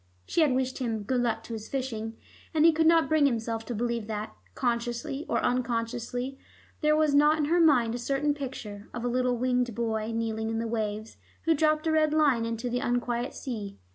She had wished him "good luck to his fishing," and he could not bring himself to believe that, consciously or unconsciously, there was not in her mind a certain picture, of a little winged boy, kneeling in the waves, who dropped a red line into the unquiet sea.